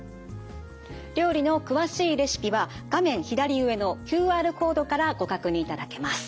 料理の詳しいレシピは画面左上のＱＲコードからご確認いただけます。